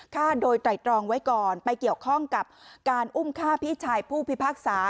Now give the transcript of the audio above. ฆ่าโดยไตรตรองไว้ก่อนไปเกี่ยวข้องกับการอุ้มฆ่าพี่ชายผู้พิพากษา